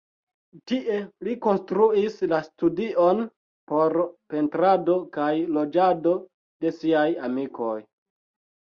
Tie li konstruis la studion por pentrado kaj loĝado de siaj amikoj.